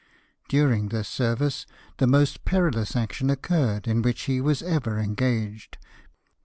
During this service the most peril ous action occurred in which he was ever engaged.